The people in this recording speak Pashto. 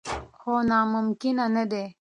خو ناممکن نه دي.